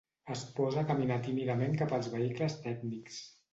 Es posa a caminar tímidament cap als vehicles tècnics.